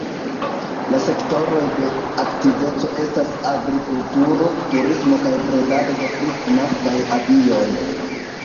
La sektoroj de aktiveco estas agrikulturo, turismo kaj bredado de kristnaskaj abioj.